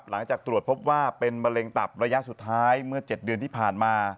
หลังจากตรวจพบว่าเป็นมะเร็งตับระยะสุดท้ายเมื่อ๗เดือนที่ผ่านมา